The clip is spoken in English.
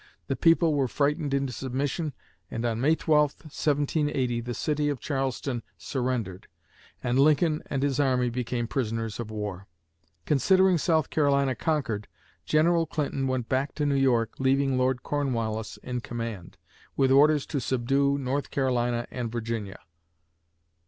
The people were frightened into submission and on May 12, 1780, the city of Charleston surrendered, and Lincoln and his army became prisoners of war. Considering South Carolina conquered, General Clinton went back to New York, leaving Lord Cornwallis in command, with orders to subdue North Carolina and Virginia.